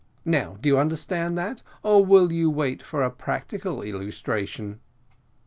Now, do you understand all that; or will you wait for a practical illustration?"